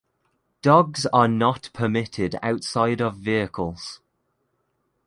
Dogs are not permitted outside of vehicles.